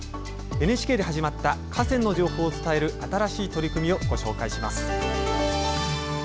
ＮＨＫで始まった河川の情報を伝える新しい取り組みをご紹介します。